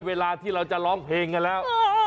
เวลาที่เราจะร้องเพลงกันแล้ว